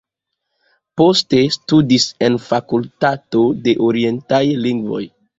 Poste studis en fakultato de orientaj lingvoj.